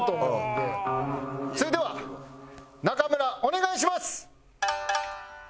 それでは中村お願いします。